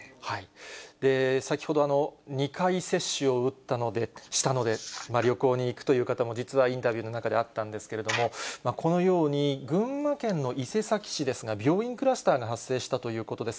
先ほど、２回接種をしたので、旅行に行くという方も、実はインタビューの中であったんですけれども、このように群馬県の伊勢崎市ですが、病院クラスターが発生したということです。